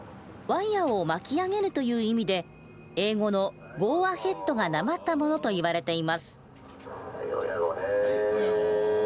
ワイヤーを巻き上げるという意味で英語の「Ｇｏａｈｅａｄ」がなまったものといわれています。